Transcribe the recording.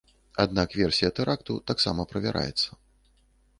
Аднак версія тэракту таксама правяраецца.